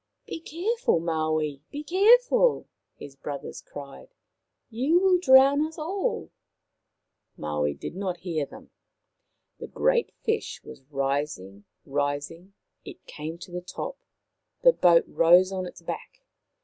" Be careful, Maui. Be careful," his brothers cried. " You will drown us all." Maui did not hear them. The great fish was rising, rising ; it came to the top ; the boat rose on its back.